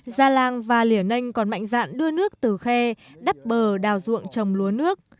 gia lan và liền ninh còn mạnh dạn đưa nước từ khe đắp bờ đào ruộng trồng lúa nước